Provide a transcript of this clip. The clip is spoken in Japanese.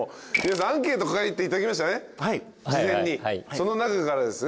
その中からですね